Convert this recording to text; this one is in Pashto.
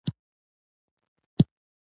سوالګر له تندي څاڅي خو صبر کوي